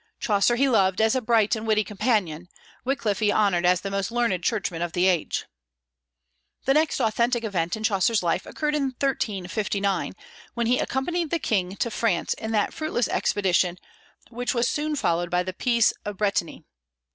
Chaucer he loved as a bright and witty companion; Wyclif he honored as the most learned churchman of the age. The next authentic event in Chaucer's life occurred in 1359, when he accompanied the king to France in that fruitless expedition which was soon followed by the peace of Brétigny.